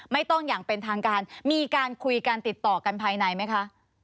ไม่ต้องอย่างเป็นทางการมีการคุยกันติดต่อกันภายในไหมคะ